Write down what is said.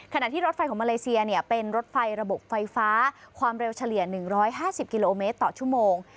ที่รถไฟของมาเลเซียเป็นรถไฟระบบไฟฟ้าความเร็วเฉลี่ย๑๕๐กิโลเมตรต่อชั่วโมง